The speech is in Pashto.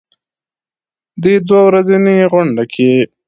دې دوه ورځنۍ غونډه کې